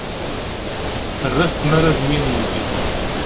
Terra-t tmara ad yinig.